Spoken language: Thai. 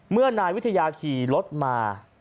นายวิทยาขี่รถมา